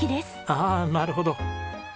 ああなるほど。